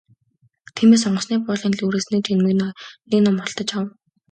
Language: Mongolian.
Тиймээс онгоцны буудлын дэлгүүрээс нэг жигнэмэг нэг ном худалдаж авав.